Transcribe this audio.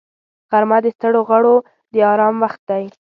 غرمه د ستړو غړو د آرام وخت دی